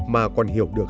mà còn hiểu được